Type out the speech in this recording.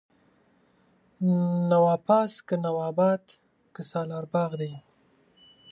نواپاس، که نواباد که سالار باغ دی